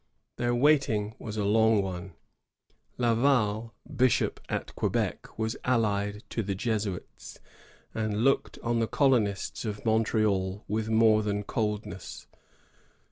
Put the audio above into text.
Their waiting was a long one. Laval, bishop at Quebec, was allied to the Jesuits, and looked on the colonists of Montreal with more than coldness.